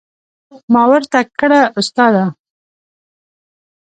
ما ورته کړه استاده.